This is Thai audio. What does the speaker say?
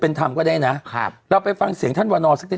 เป็นธรรมก็ได้นะครับเราไปฟังเสียงท่านวันนอสักนิด